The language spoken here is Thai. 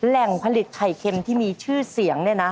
แหล่งผลิตไข่เค็มที่มีชื่อเสียงเนี่ยนะ